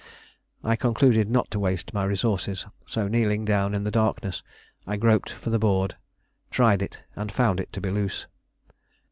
I concluded not to waste my resources, so kneeling down in the darkness, I groped for the board, tried it, and found it to be loose.